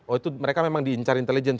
oh itu mereka memang diincar intelijen